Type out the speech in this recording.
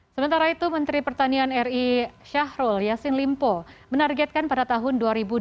sementara itu menteri pertanian ri syahrul yassin limpo menargetkan pada tahun dua ribu dua puluh